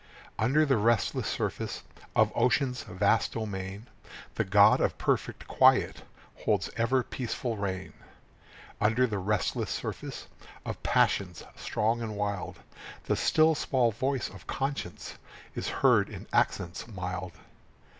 Under the restless surface Of ocean's vast domain, The god of perfect quiet Holds ever peaceful reign. Under the restless surface Of passions strong and wild, The still small voice of conscience Is heard in accents mild.